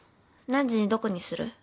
何時にどこにする？